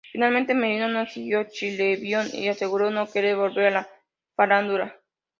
Finalmente, Merino no siguió en Chilevisión y aseguró no querer volver a la farándula.